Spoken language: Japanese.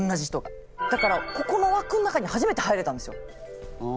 だからここのわくの中に初めて入れたんですよ。